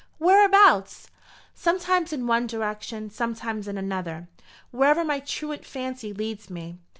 "Whereabouts?" "Sometimes in one direction, sometimes in another; wherever my truant fancy leads me.